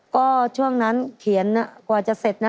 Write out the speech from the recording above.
ก็ช่วงนั้นเขียนกว่าจะเสร็จนะ